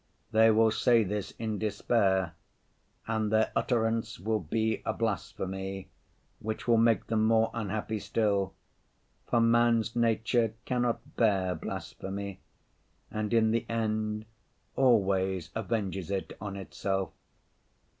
They will say this in despair, and their utterance will be a blasphemy which will make them more unhappy still, for man's nature cannot bear blasphemy, and in the end always avenges it on itself.